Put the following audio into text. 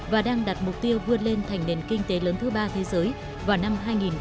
và đang đặt mục tiêu vươn lên thành nền kinh tế lớn thứ ba thế giới vào năm hai nghìn ba mươi